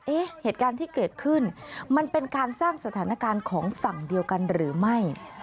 เหตุการณ์ที่เกิดขึ้นมันเป็นการสร้างสถานการณ์ของฝั่งเดียวกันหรือไม่